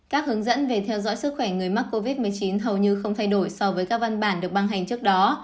các hướng dẫn về theo dõi sức khỏe người mắc covid một mươi chín hầu như không thay đổi so với các văn bản được băng hành trước đó